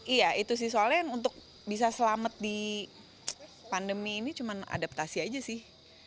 iya itu sih soalnya untuk bisa selamat di pandemi ini cuma adaptasi aja sih